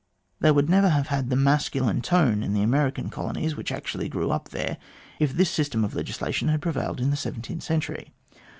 They would never have had that masculine tone in the American colonies, which actually grew up there, if this system of legislation had prevailed in the seventeenth century.